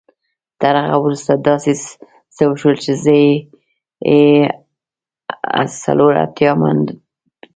تر هغه وروسته داسې څه وشول چې زه يې هيλε مند کړم.